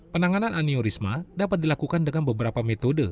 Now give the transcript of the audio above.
penanganan aniorisma dapat dilakukan dengan beberapa metode